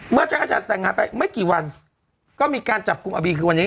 เมื่อเจ้าอาจารย์แต่งงานไปไม่กี่วันก็มีการจับกลุ่มอบีคือวันนี้